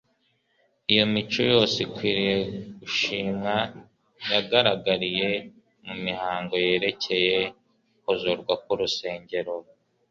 iyo mico yose ikwiriye gushimwa yagaragariye mu mihango yerekeye kuzuzwa k'urusengero